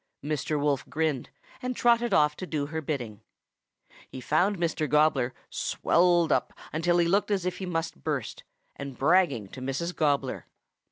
"Mr. Wolf grinned and trotted off to do her bidding. He found Mr. Gobbler swelled up until he looked as if he must burst, and bragging to Mrs. Gobbler.